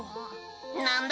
なんだ？